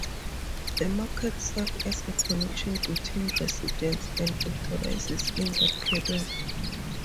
The market serve as a connection between residents and authorizes in that period.